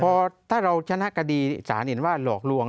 พอถ้าเราชนะคดีสารเห็นว่าหลอกลวง